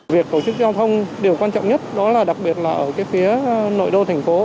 việc tổ chức giao thông điều quan trọng nhất đó là đặc biệt là ở cái phía nội đô thành phố